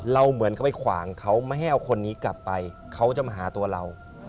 เหมือนเขาไปขวางเขาไม่ให้เอาคนนี้กลับไปเขาจะมาหาตัวเรา